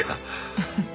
フフッ。